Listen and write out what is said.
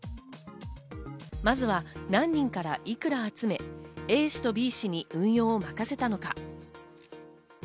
まずは何人からいくら集め、Ａ氏とＢ氏に運用を任せたのか？